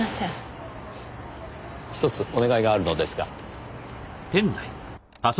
ひとつお願いがあるのですが。